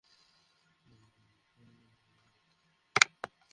গায়ে কেরোসিন ঢেলে আগুন ধরিয়ে তাঁকে হত্যার চেষ্টার অভিযোগ পাওয়া গেছে।